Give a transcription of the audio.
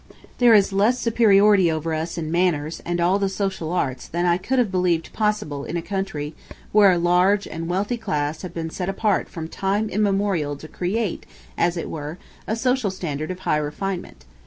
There is less superiority over us in manners and all the social arts than I could have believed possible in a country where a large and wealthy class have been set apart from time immemorial to create, as it were, a social standard of high refinement.